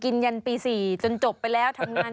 กินยันปีสี่จนจบไปแล้วทั้งนั้น